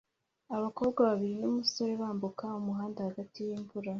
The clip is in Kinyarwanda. Abakobwa babiri n'umusore bambuka umuhanda hagati y'imvura